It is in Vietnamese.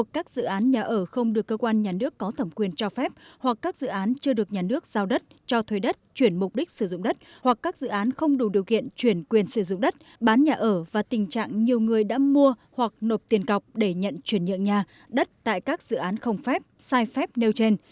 các dự án nhà ở không được cơ quan nhà nước có thẩm quyền cho phép hoặc các dự án chưa được nhà nước giao đất cho thuê đất chuyển mục đích sử dụng đất hoặc các dự án không đủ điều kiện chuyển quyền sử dụng đất bán nhà ở và tình trạng nhiều người đã mua hoặc nộp tiền cọc để nhận chuyển nhượng nhà đất tại các dự án không phép sai phép nêu trên